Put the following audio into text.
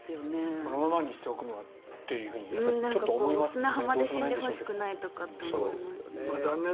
このままにしておくのはっていうのはちょっと思いますね。